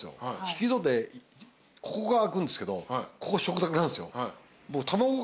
引き戸でここが開くんですけどここ食卓なんすよ。